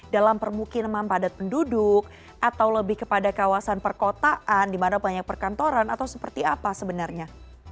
dalam permukiman padat penduduk atau lebih kepada kawasan perkotaan di mana banyak perkantoran atau seperti apa sebenarnya